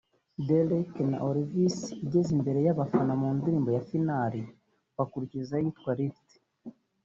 Derek na Olivis igeze imbere y’abafana mu ndirimbo ’Final’ bakurikizaho iyitwa ’Lift’